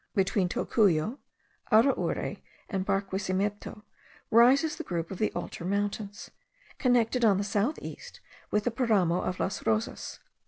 Between Tocuyo, Araure, and Barquisimeto, rises the group of the Altar Mountains, connected on the south east with the paramo of Las Rosas.